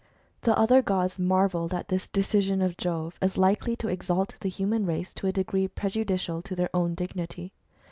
The other gods marvelled at tKis decision of Jove, as likely to exalt the human race to a degree prejudicial to their own dignity.